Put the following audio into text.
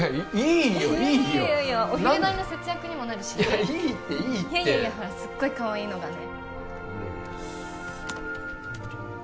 いやいやお昼代の節約にもなるしいいっていいってすっごいかわいいのがね